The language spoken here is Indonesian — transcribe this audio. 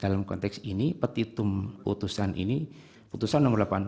dalam konteks ini petitum putusan ini putusan nomor delapan belas